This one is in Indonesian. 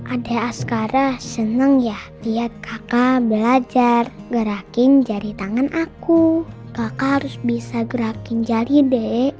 ada askara senang ya lihat kakak belajar jari tangan aku kakak harus bisa gerakin jari dek